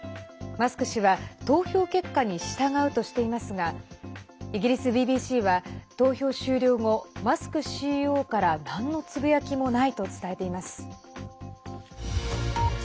マスク氏は投票結果に従うとしていますがイギリスＢＢＣは投票終了後マスクＣＥＯからなんのつぶやきもないと伝えています。